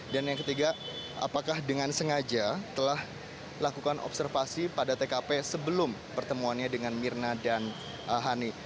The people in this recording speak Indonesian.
dan yang ketiga apakah dengan sengaja telah lakukan observasi pada tkp sebelum pertemuannya dengan mirna dan hani